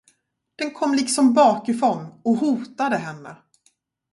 Den kom liksom bakifrån och hotade henne.